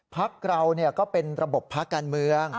พักเราก็เป็นระบบพักการเมือง